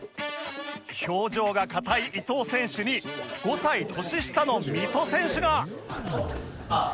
表情が硬い伊藤選手に５歳年下の三戸選手が